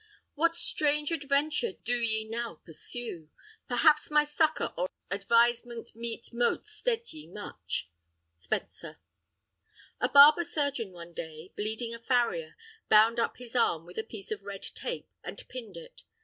What strange adventure do ye now pursue? Perhaps my succour or advisement meet Mote stead ye much. Spenser. A barber surgeon one day, bleeding a farrier, bound up his arm with a piece of red tape, and pinned it.